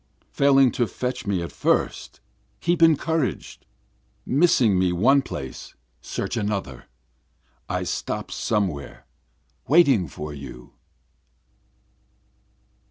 Failing to fetch me at first keep encouraged, Missing me one place search another, I stop somewhere waiting for you.